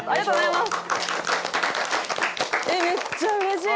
えっめっちゃうれしい！